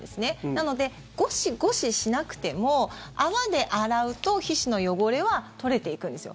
なのでゴシゴシしなくても泡で洗うと皮脂の汚れは取れていくんです。